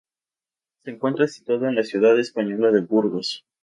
Se encuentra situado en la ciudad española de Burgos.